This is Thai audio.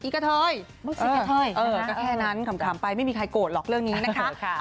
ก็แค่นั้นขำไปไม่มีใครโกรธหรอกเรื่องนี้นะคะ